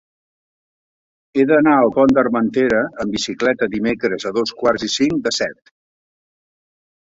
He d'anar al Pont d'Armentera amb bicicleta dimecres a dos quarts i cinc de set.